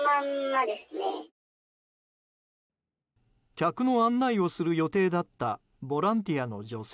客の案内をする予定だったボランティアの女性。